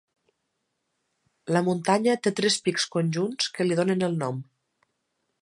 La muntanya té tres pics conjunts que li donen el nom.